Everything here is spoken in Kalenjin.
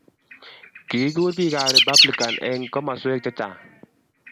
Kikirur bikap republikan eng komoswek chechang